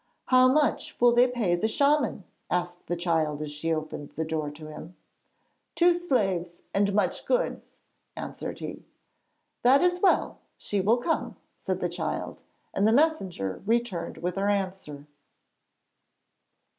'How much will they pay the shaman?' asked the child as she opened the door to him. 'Two slaves and much goods,' answered he. 'That is well; she will come,' said the child, and the messenger returned with her answer.